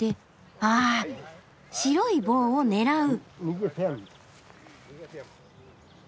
あ白い棒を狙う。